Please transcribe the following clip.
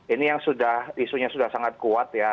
ini yang sudah isunya sudah sangat kuat ya